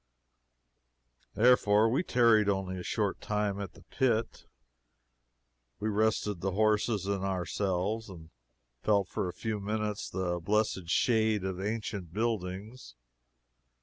Therefore we tarried only a short time at the pit. We rested the horses and ourselves, and felt for a few minutes the blessed shade of the ancient buildings.